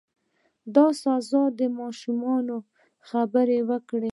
د سزا ماشین خبرې وکړې.